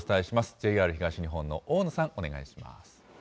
ＪＲ東日本の大野さん、お願いします。